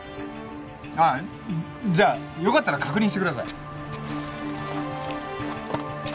あっじゃあよかったら確認してください。